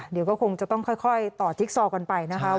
เดี๋ยวก็คงจะต้องค่อยต่อจิ๊กซอกันไปนะคะ